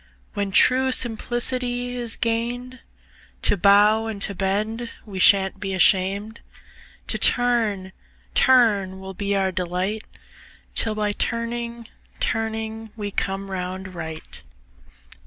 When true simplicity is gain'd, To bow and to bend we shan't be asham'd, To turn, turn will be our delight 'Till by turning, turning we come round right.